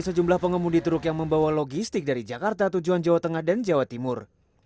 sejumlah pengemudi truk yang membawa logistik dari jakarta tujuan jawa tengah dan jawa timur